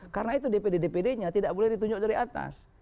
karena itu dpd dpd nya tidak boleh ditunjuk dari atas